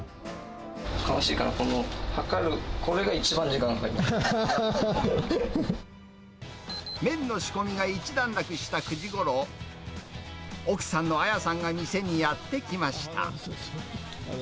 悲しいかな、量る、麺を量る、麺の仕込みが一段落した９時ごろ、奥さんの彩さんが店にやって来ました。